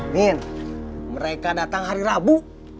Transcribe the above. nin mereka datang hari rabu